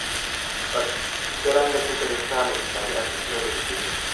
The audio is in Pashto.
بدرنګه فکر انسان له انساني ارزښتونو لرې کوي